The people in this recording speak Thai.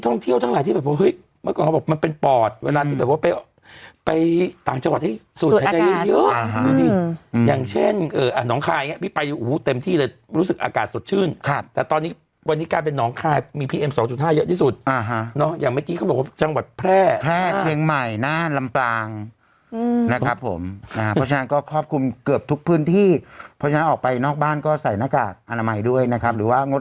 นี่ตาก้องเตรียมคนละ๒หมื่นนะครับ